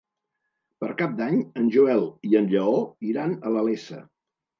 Per Cap d'Any en Joel i en Lleó iran a la Iessa.